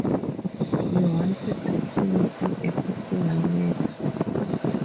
You wanted to see me on a personal matter?